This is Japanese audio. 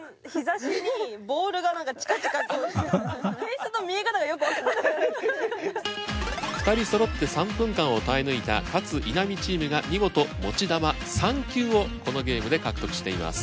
紫外線２人そろって３分間を耐え抜いた勝・稲見チームが見事持ち球３球をこのゲームで獲得しています。